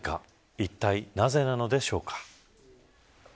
いったいなぜなのでしょうか。